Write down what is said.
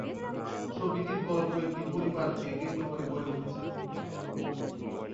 ছবিটির গল্প একটি পরিবারকে কেন্দ্র করে গড়ে উঠেছে।